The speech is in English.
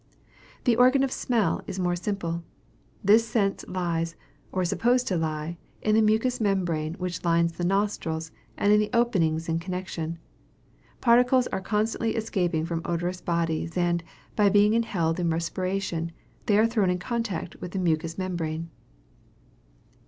The organ of smell is more simple. This sense lies, or is supposed to lie, in the mucous membrane which lines the nostrils and the openings in connection. Particles are constantly escaping from odorous bodies; and, by being inhaled in respiration, they are thrown in contact with the mucous membrane.